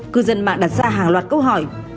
cư dân mạng đặt ra hàng loạt câu hỏi